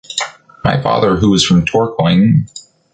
My father who was from Tourcoing...